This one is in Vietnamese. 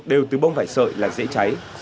đều từ bông vải sợi là dễ cháy